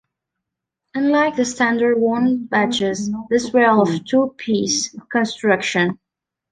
Unlike the standard Wound Badges, these were of two-piece construction.